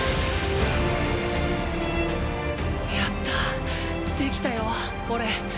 やったできたよおれ。